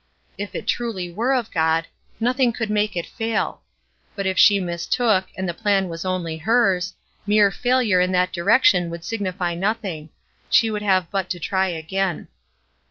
If it really were of God, nothing could make it fail; but if she mistook, and the plan was only hers, mere failure in that direction would signify nothing; she would have but to try again.